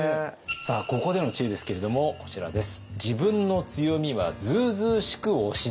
ここでの知恵ですけれどもこちらです。